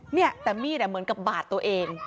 เนี่ยแต่มีดเหมือนกับบาดตัวเอง